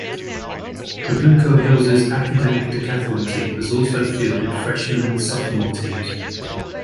Trabuco Hills's Academic Decathlon team has also fielded freshman and sophomore teams.